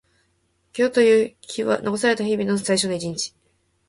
今日という日は残された日々の最初の一日。